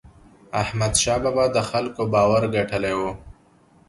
احمدشاه بابا د خلکو باور ګټلی و.